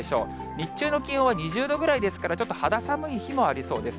日中の気温は２０度ぐらいですから、ちょっと肌寒い日もありそうです。